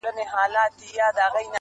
چي د رنځ په کړاو نه وي پوهېدلي -